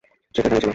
সে তো এখানেই ছিল?